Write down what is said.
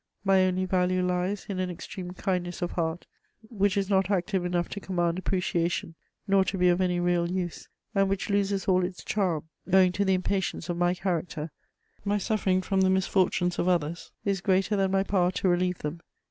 My only value lies in an extreme kindness of heart, which is not active enough to command appreciation, nor to be of any real use, and which loses all its charm owing to the impatience of my character: my suffering from the misfortunes of others is greater than my power to relieve them.